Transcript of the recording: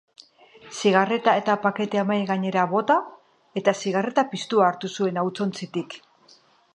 Zigarreta eta paketea mahai gainera bota eta zigarreta piztua hartu zuen hautsontzitik.